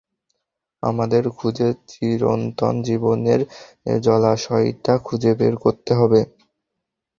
আমাদের শুধু চিরন্তন জীবনের জলাশয়টা খুঁজে বের করতে হবে।